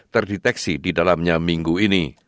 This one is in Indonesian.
terdeteksi di dalamnya minggu ini